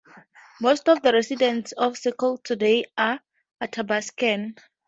Most of the residents of Circle today are Athabascan.